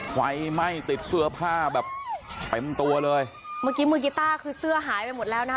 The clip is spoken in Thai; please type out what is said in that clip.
ไฟไหม้ติดเสื้อผ้าแบบเต็มตัวเลยเมื่อกี้มือกีต้าคือเสื้อหายไปหมดแล้วนะคะ